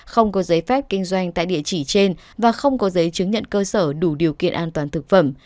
không có giấy phép kinh doanh tại địa chỉ trên và không có giấy chứng nhận cơ sở đủ điều kiện an toàn thực phẩm